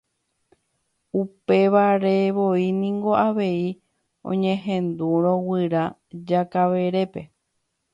Upevarevoi niko avei oñehendúrõ guyra Jakaverépe